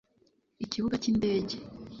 Ikibuga k'indege